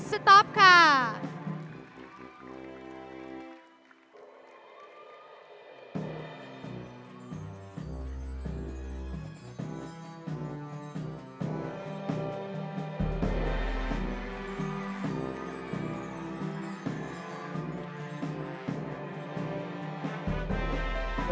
สุดท้ายหรือใครมันฝรั่งค่ะ